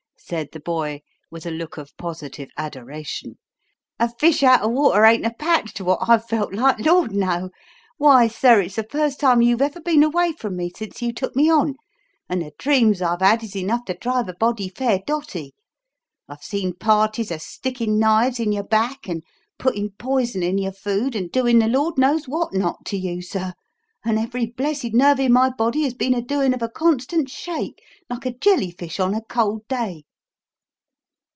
said the boy, with a look of positive adoration. "A fish out o' water ain't a patch to wot I've felt like Lord, no! Why, sir, it's the first time you've ever been away from me since you took me on; and the dreams I've had is enough to drive a body fair dotty. I've seen parties a stickin' knives in your back and puttin' poison in your food and doin' the Lord knows wot not to you, sir; and every blessed nerve in my body has been a doin' of a constant shake like a jelly fish on a cold day."